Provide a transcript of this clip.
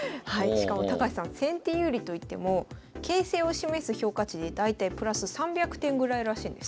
しかも高橋さん先手有利といっても形勢を示す評価値で大体プラス３００点ぐらいらしいんですよ。